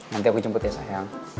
nanti aku jemput ya sayang